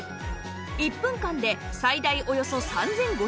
１分間で最大およそ３５００回の振動